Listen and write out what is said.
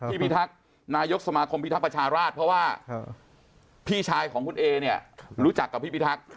พี่พีทักนายกสมาคมพี่ทักประชาลาฤทธิ์เพราะว่าพี่ชายของคุณเอเรียเนี่ยรู้จักกับพี่พีทัก